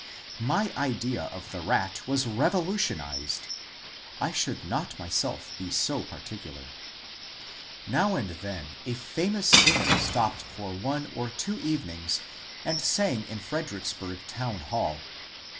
My idea of the rat was revolutionized. I should not myself be so particular. Now and then a famous singer stopped for one or two evenings and sang in Fredericksburg Town Hall.